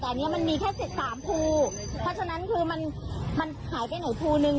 แต่ที่นี้มันมีแค่สิบสามคูเพราะฉะนั้นคือมันมาไขไปหน่อยคูลัวหนึ่ง